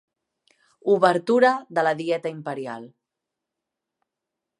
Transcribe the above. Obertura de la dieta imperial.